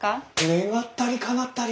願ったりかなったり！